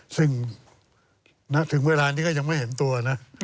ซึ่งณถึงเวลานี้ก็ยังไม่เห็นตัวนะ